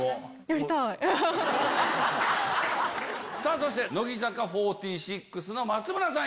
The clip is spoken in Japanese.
そして乃木坂４６の松村さん